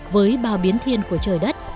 với bao biến thiên của trời đất